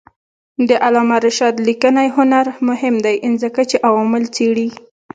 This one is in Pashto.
د علامه رشاد لیکنی هنر مهم دی ځکه چې عوامل څېړي.